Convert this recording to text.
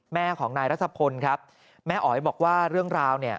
แม่ของนายรัชพลครับแม่อ๋อยบอกว่าเรื่องราวเนี่ย